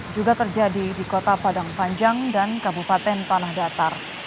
juga terjadi di kota padang panjang dan kabupaten tanah datar